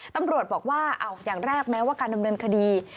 ตำรวจบอกว่าอย่างแรกแม้ว่าการดำเนินคดี